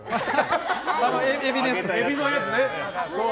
エビのやつね。